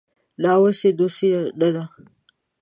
ناوسي دووسي نده